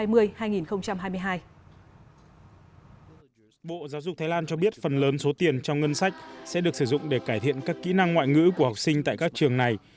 bộ giáo dục thái lan cho biết phần lớn số tiền trong ngân sách sẽ được sử dụng để cải thiện các kỹ năng ngoại ngữ của học sinh tại các trường này